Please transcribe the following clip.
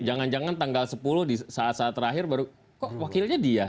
jangan jangan tanggal sepuluh di saat saat terakhir baru kok wakilnya dia